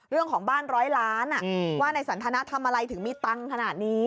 เรื่องของบ้านร้อยล้านว่านายสันทนาทำอะไรถึงมีตังค์ขนาดนี้